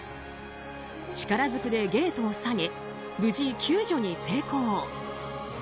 力ずくでゲートを下げ無事、救助に成功。